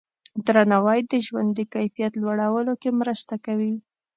درناوی د ژوند د کیفیت لوړولو کې مرسته کوي.